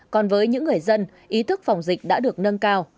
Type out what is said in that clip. còn với những người dân ý thức phòng dịch đã được nâng cao